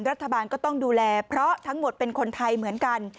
รัฐบาลก็ต้องดูแลเพราะทั้งหมดเป็นคนไทยเหมือนกัน